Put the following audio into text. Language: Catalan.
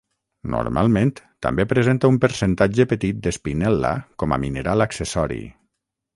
Normalment també presenta un percentatge petit d'espinel·la com a mineral accessori.